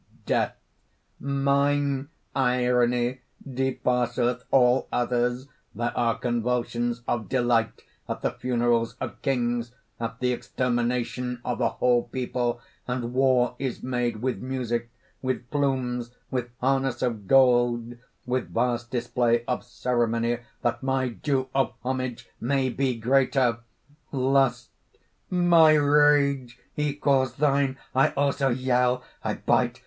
DEATH. "Mine irony depasseth all others! There are convulsions of delight at the funerals of kings, at the extermination of a whole people; and war is made with music, with plumes, with harness of gold, with vast display of ceremony that my due of homage may be greater!" [Illustration: Death: Mine irony depasseth all others!] LUST. "My rage equals thine! I also yell; I bite!